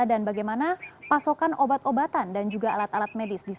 dan bagaimana pasokan obat obatan dan juga alat alat medis